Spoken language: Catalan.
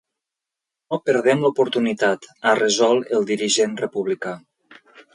“No perdem l’oportunitat”, ha resolt el dirigent republicà.